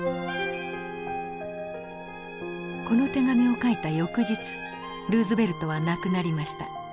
この手紙を書いた翌日ルーズベルトは亡くなりました。